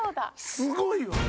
すごいわ！